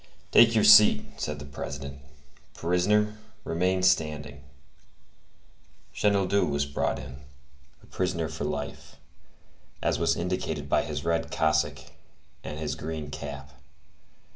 "Take your seat," said the President. "Prisoner, remain standing." Chenildieu was brought in, a prisoner for life, as was indicated by his red cassock and his green cap.